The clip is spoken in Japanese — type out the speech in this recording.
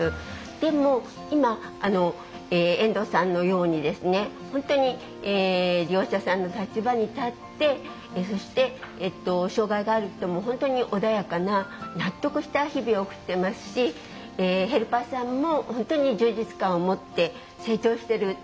でも、今、遠藤さんのように本当に利用者さんの立場に立ってそして、障害がある人も本当に穏やかな納得した日々を送っていますしヘルパーさんも本当に充実感を持って成長してる。